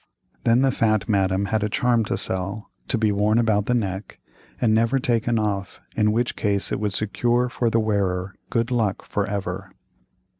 Then the fat Madame had a charm to sell, to be worn about the neck, and never taken off, in which case it would secure for the wearer "good luck" for ever.